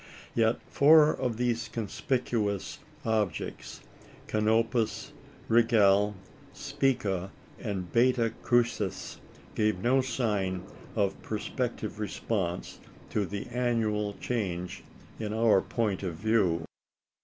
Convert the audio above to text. Yet four of these conspicuous objects Canopus, Rigel, Spica, and Beta Crucis gave no sign of perspective response to the annual change in our point of view.